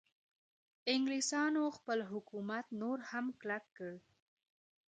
انګلیسانو خپل حکومت نور هم کلک کړ.